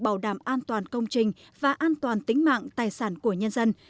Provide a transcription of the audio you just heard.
bảo đảm an toàn công trình và an toàn tính mạng tài sản của nhân dân